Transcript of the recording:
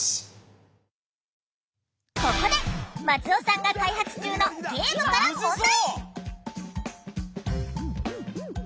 ここで松尾さんが開発中のゲームから問題！